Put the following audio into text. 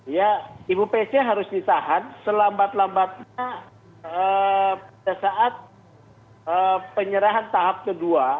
ya ibu pc harus ditahan selambat lambatnya pada saat penyerahan tahap kedua